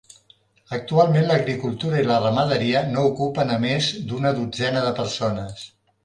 Actualment l'agricultura i la ramaderia no ocupen a més d'una dotzena de persones.